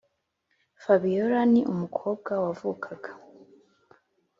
fabiora ni umukobwa wavukaga